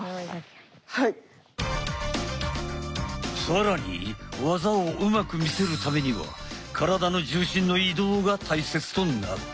更に技をうまく見せるためには体の重心の移動が大切となる。